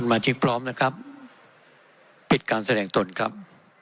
มาชิกพร้อมนะครับปิดการแสดงตนครับ